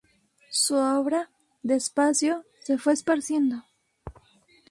Su obra, despacio, se fue esparciendo.